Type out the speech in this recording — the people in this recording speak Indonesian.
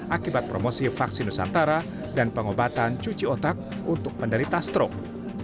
akibat promosi vaksin nusantara dan pengobatan cuci otak untuk penderita strok